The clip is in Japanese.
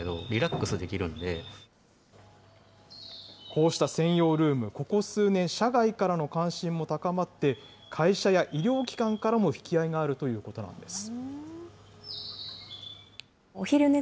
こうした専用ルーム、ここ数年、社外からの関心も高まって、会社や医療機関からも引き合いがあるということなんです。